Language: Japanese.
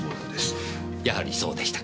やはりそうでしたか。